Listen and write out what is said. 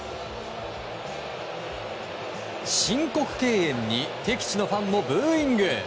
申告敬遠に敵地のファンもブーイング。